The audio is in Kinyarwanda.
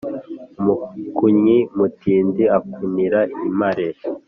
Umukunnyi mutindi akunira impare.